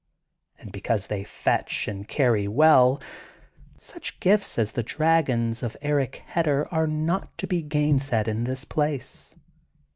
And because they fetch and cany well, snch gifts as the dragons of Eric Hedder are not to be gainsaid in this place.